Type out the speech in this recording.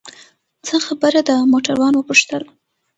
څه خبره ده؟ موټروان وپوښتل.